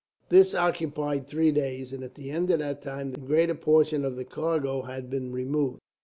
This occupied three days, and at the end of that time the greater portion of the cargo had been removed.